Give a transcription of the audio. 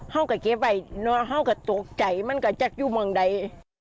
ข้าวก็เก็บอย่างนั้นข้าก็ตกใจมันก็จะอยู่บางที